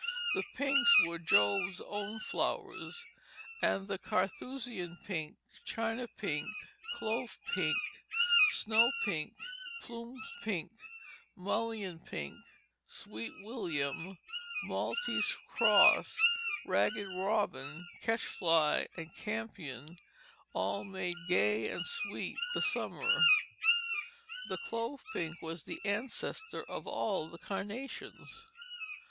The pinks were Jove's own flowers, and the carthusian pink, china pink, clove pink, snow pink, plumed pink, mullein pink, sweet william, maltese cross, ragged robin, catch fly, and campion, all made gay and sweet the summer. The clove pink was the ancestor of all the carnations.